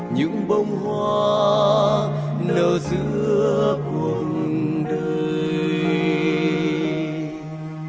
những bông hoa nở giữa cuộc đời